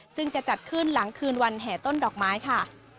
ซึ่งจะจัดขึ้นหลังคืนวันแห่ต้นดอกไม้ค่ะ